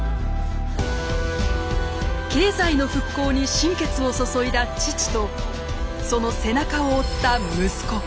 経済の復興に心血を注いだ父とその背中を追った息子。